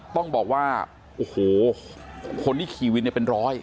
ต้องบอกว่าโอ้โหคนที่ขี่วินเนี่ยเป็นร้อย